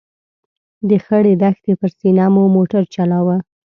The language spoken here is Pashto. د خړې دښتې پر سینه مو موټر چلاوه.